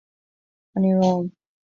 An Iaráin